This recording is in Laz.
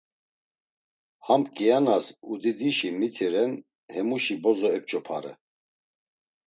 Ham kianas udidişi miti ren hemuşi bozo ep̌ç̌opare.